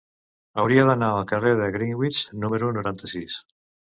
Hauria d'anar al carrer de Greenwich número noranta-sis.